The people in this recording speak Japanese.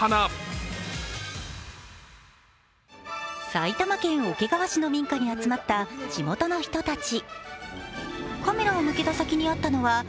埼玉県桶川市の民家に集まった地元の人たち。